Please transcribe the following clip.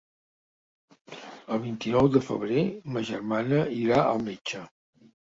El vint-i-nou de febrer ma germana irà al metge.